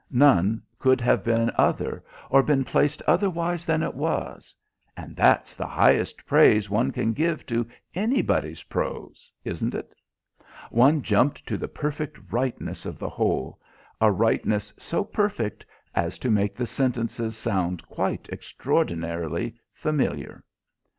None could have been other, or been placed otherwise than it was and that's the highest praise one can give to anybody's prose, isn't it? One jumped to the perfect rightness of the whole a rightness so perfect as to make the sentences sound quite extraordinarily familiar."